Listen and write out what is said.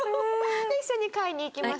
で一緒に買いに行きました。